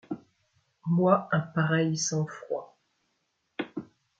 Moi un pareil sang-froid. ..